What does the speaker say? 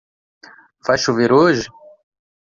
Vai chover hoje?